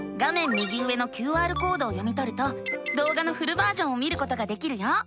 右上のＱＲコードを読みとるとどうがのフルバージョンを見ることができるよ。